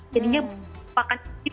jadinya bukan tip